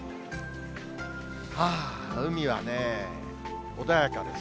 はぁ、海はね、穏やかです。